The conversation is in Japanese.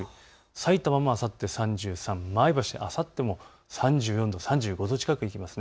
さいたまもあさって３３、前橋、あさって３４、３５度近くいきます。